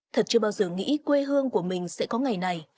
thật chưa bao giờ nghĩ quê hương của mình sẽ có ngày này